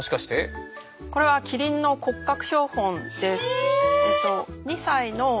これはキリンの骨格標本です。